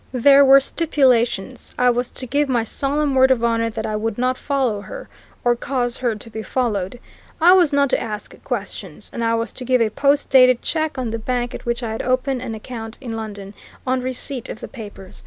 There were stipulations. I was to give my solemn word of honour that I would not follow her, or cause her to be followed. I was not to ask questions. And I was to give a post dated check on the bank at which I had opened an account in London, on receipt of the papers.